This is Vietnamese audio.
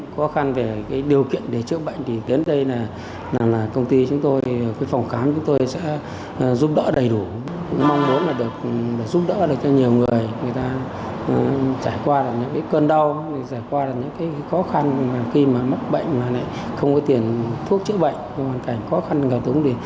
khó khăn về điều kiện để chữa bệnh thì đến đây là công ty chúng tôi phòng khám chúng tôi sẽ giúp đỡ đầy đủ